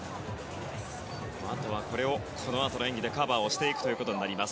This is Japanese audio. あとはこのあとの演技でカバーしていくことになります。